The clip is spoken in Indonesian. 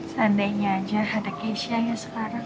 seandainya aja ada keisha yang sekarang